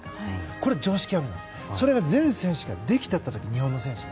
これは常識破りでそれが全選手ができた時日本の選手